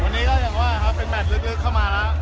วันนี้ก็อย่างว่าครับเป็นแมทลึกเข้ามาแล้ว